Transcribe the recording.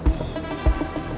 gak ada yang mau ngomong